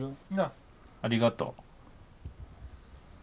ありがとう。